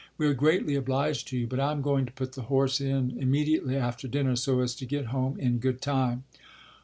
We are greatly obliged to you, but I am going to put the horse in immediately after dinner so as to get home in good time."